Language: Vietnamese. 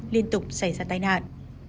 liên tục xảy ra tài nạn